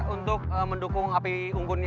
untuk mendukung api unggun besar nanti ya